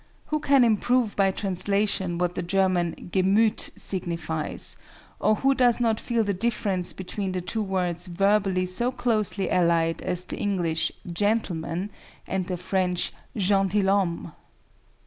Who can improve by translation what the German "Gemüth" signifies, or who does not feel the difference between the two words verbally so closely allied as the English gentleman and the French gentilhomme?